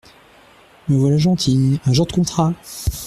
Me voilà gentil… un jour de contrat !